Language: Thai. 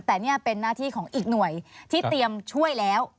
แต่นี่เป็นหน้าที่ของอีกหน่วยที่เตรียมช่วยแล้ว